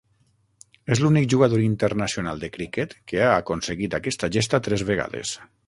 És l'únic jugador internacional de cricket que ha aconseguit aquesta gesta tres vegades.